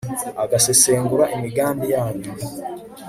agasesengura imigambi yanyu